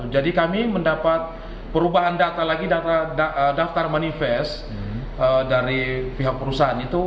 jadi kami mendapat perubahan data lagi daftar manifest dari pihak perusahaan itu